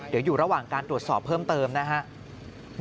เดี๋ยวอยู่ระหว่างการตรวจสอบเพิ่มเติมนะครับ